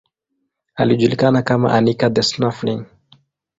Alijulikana kama Anica the Snuffling.